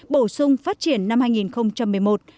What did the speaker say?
bổ sung phát triển năm hai nghìn một mươi một